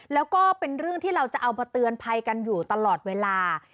แล้วก็เป็นเรื่องที่เราจะเอามาเตือนภัยกันอยู่ตลอดเวลา